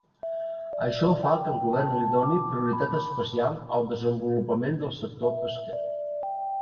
Això fa que el govern li doni prioritat especial al desenvolupament del sector pesquer.